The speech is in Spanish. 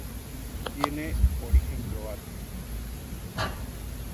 Tiene origen croata.